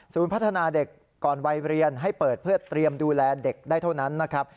พัฒนาเด็กก่อนวัยเรียนให้เปิดเพื่อเตรียมดูแลเด็กได้เท่านั้นนะครับ